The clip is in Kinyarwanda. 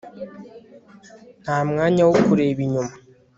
nta mwanya wo kureba inyuma